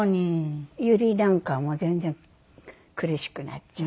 ユリなんかもう全然苦しくなっちゃう。